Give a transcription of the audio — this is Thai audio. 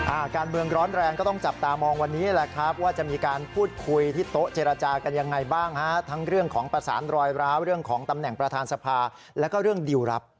การเมืองร้อนแรงก็ต้องจับตามองวันนี้แหละครับว่าจะมีการพูดคุยที่โต๊ะเจรจากันยังไงบ้างฮะทั้งเรื่องของประสานรอยร้าวเรื่องของตำแหน่งประธานสภาแล้วก็เรื่องดิวรับ